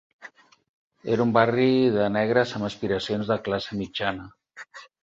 Era un barri de negres amb aspiracions de classe mitjana.